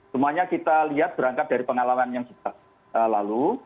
semuanya kita lihat berangkat dari pengalaman yang lalu